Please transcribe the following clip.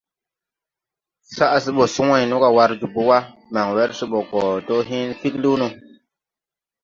Saʼ se bɔ se wãy nɔga war jobo wa, man wɛr sɛ bɔ gɔ do hęęne figliwn no.